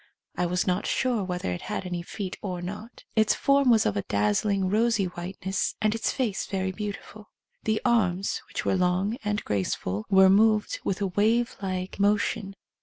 I was not sure whether it had any feet or not. Its form was of a dazzling rosy whiteness, and its face very beautiful. The arms, which were long and graceful, were moved with a wave like motion.